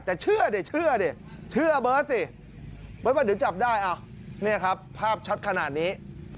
แต่เชื่อดิเชื่อดิเชื่อเบิร์ตสิเบิร์ตว่าเดี๋ยวจับได้เนี่ยครับภาพชัดขนาดนี้